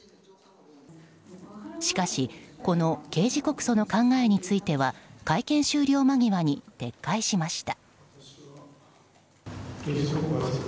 しかしこの刑事告訴の考えについては会見終了間際に撤回しました。